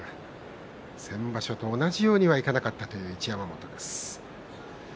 先場所と同じようにはいかなかったという一山本です。